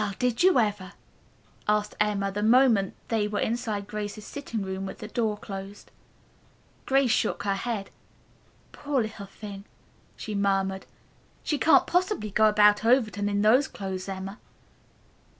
"Well, did you ever?" asked Emma, the moment they were inside Grace's sitting room with the door closed. Grace shook her head. "Poor little thing," she murmured. "She can't possibly go about Overton in those clothes, Emma.